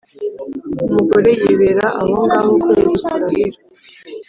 Umugore yibera ahongaho ukwezi kurahira